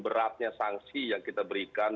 beratnya sanksi yang kita berikan